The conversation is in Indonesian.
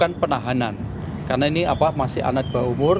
kami akan melakukan penahanan karena ini masih anak di bawah umur